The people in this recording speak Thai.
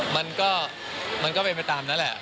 มันก็มันก็เป็นไปตามนั้นแหละ